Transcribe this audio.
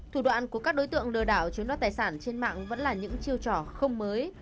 thủ đoạn của các đối tượng lừa đảo chiếm đoạt tài sản trên mạng vẫn là những chiêu trò không mới